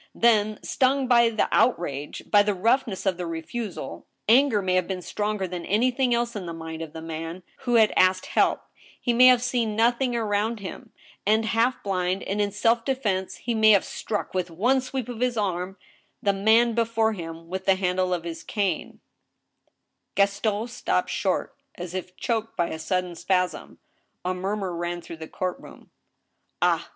Then, stung by the outrage, by the roughness of the refusal, anger may have been stronger than anything else in the mind of the man who had asked help, he may have seen nothing around him, and, half blind, and in self defense, he may have struck with one sweep of his arm the man before him with the handle of his cane —" Gaston stopped short, as if choked by a sudden spasm. A murmur ran through the court room. Ah